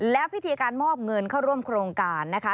และพิธีการมอบเงินเข้าร่วมโครงการนะคะ